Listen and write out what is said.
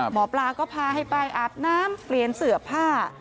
หมอปลาก็พาให้ไปอาบน้ำเปลี่ยนเสื้อผ้า